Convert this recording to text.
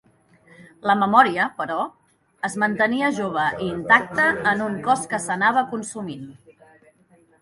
La memòria, però, es mantenia jove i intacte en un cos que s'anava consumint.